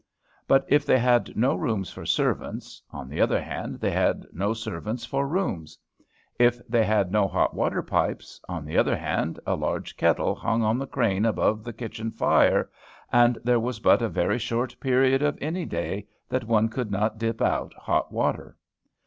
But if they had no rooms for servants, on the other hand they had no servants for rooms. If they had no hot water pipes, on the other hand a large kettle hung on the crane above the kitchen fire, and there was but a very short period of any day that one could not dip out hot water.